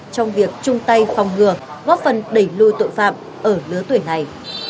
trong việc chung tay phòng ngừa góp phần đẩy lùi tội phạm ở lứa tuổi này